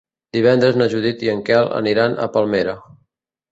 Divendres na Judit i en Quel aniran a Palmera.